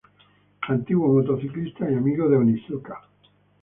Antiguo motociclista y amigo de Onizuka.